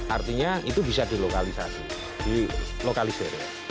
artinya itu bisa dilokalisasi dilokalisir